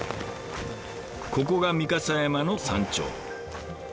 ここが御蓋山の山頂。